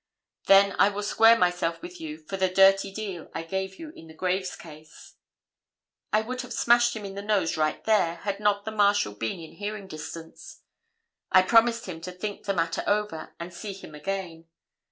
Then I will square myself with you for the dirty deal I gave you in the Graves case.' I would have smashed him in the nose right there, had not the Marshal been in hearing distance. I promised him to think the matter over and see him again.